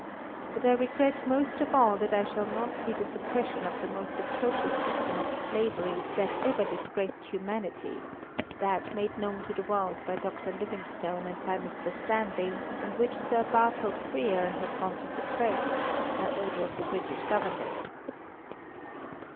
But I regret most of all that I shall not see the suppression of the most atrocious system of slavery that ever disgraced humanity—that made known to the world by Dr. Livingstone and by Mr. Stanley, and which Sir Bartle Frere has gone to suppress, by order of the British Government."